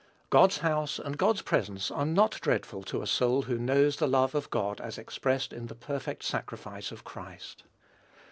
God's house and God's presence are not dreadful to a soul who knows the love of God as expressed in the perfect sacrifice of Christ.